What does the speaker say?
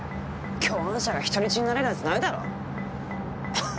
共犯者が人質になれるはずないだろう！